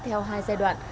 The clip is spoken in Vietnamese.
theo hai giai đoạn